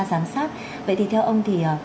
giám sát vậy thì theo ông thì